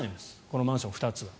このマンション２つは。